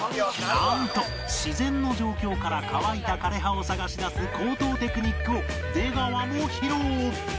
なんと自然の状況から乾いた枯葉を探し出す高等テクニックを出川も披露